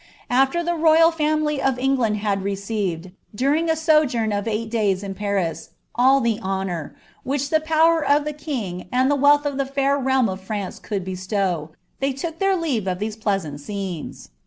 Ailer the royal family of England had received, during a sojourn of eiglit days in Paris, all the honour, which the power of the king, and the wealth of the fair realm of France could bestow, they took their leave of these pleasant scenes.